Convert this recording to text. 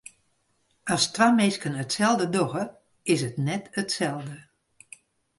As twa minsken itselde dogge, is it net itselde.